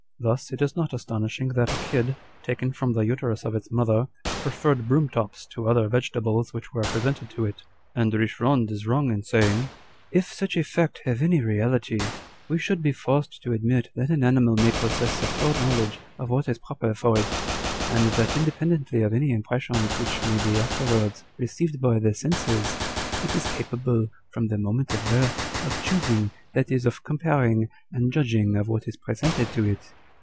Thus it is not astonishing that a kid, taken from the uterus of its mother, preferred broom tops to other vegetables which were presented to it. And Eicherand is wrong in saying â€" ' If such a fact have any reality, we should be forced to admit that an animal may possess a foreknowledge of what is proper for it ; and that, inde pendently of any impressions which may be afterwards received by the senses, it is capable, from the moment of birth, of choosing, that is, of comparing and judging of what is presented to it.'